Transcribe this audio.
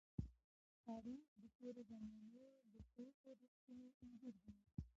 تاریخ د تېرو زمانو د پېښو رښتينی انځور دی.